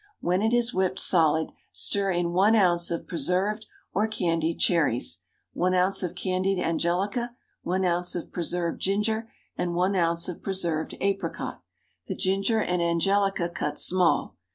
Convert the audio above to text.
When it is whipped solid, stir in one ounce of preserved or candied cherries, one ounce of candied angelica, one ounce of preserved ginger, and one ounce of preserved apricot the ginger and angelica cut small.